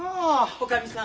おかみさん。